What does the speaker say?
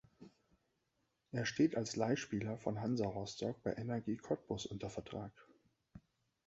Er steht als Leihspieler von Hansa Rostock bei Energie Cottbus unter Vertrag.